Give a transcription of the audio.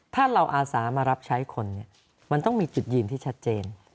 ถ้าเราอาสามารับใช้คนมันต้องมีจุดยืนที่ชัดเจน